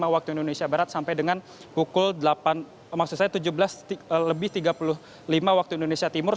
waktu indonesia barat sampai dengan pukul delapan maksud saya tujuh belas lebih tiga puluh lima waktu indonesia timur